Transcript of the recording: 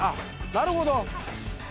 なるほど。